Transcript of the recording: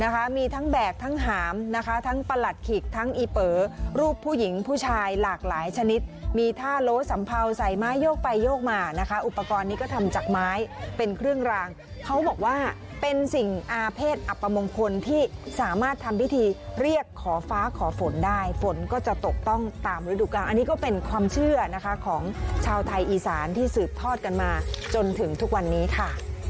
มีทั้งแบกทั้งหามนะคะทั้งประหลัดขิกทั้งอีเป๋อรูปผู้หญิงผู้ชายหลากหลายชนิดมีท่าโล้สัมเภาใส่ไม้โยกไปโยกมานะคะอุปกรณ์นี้ก็ทำจากไม้เป็นเครื่องรางเขาบอกว่าเป็นสิ่งอาเภษอัปมงคลที่สามารถทำพิธีเรียกขอฟ้าขอฝนได้ฝนก็จะตกต้องตามฤดูการอันนี้ก็เป็นความเชื่อนะคะของชาวไทยอีสานที่สืบทอดกันมาจนถึงทุกวันนี้ค่ะ